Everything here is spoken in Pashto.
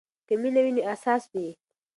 که مینه وي نو اساس وي.